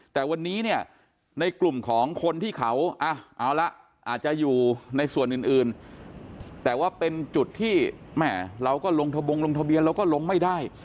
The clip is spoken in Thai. แต่วันนี้เนี่ยในกลุ่มของคนที่เขาเอาละอาจจะอยู่ในส่วนอื่นแต่ว่าเป็นจุดที่แม่เราก็ลงทะบงลงทะเบียนเราก็ลงไม่ได้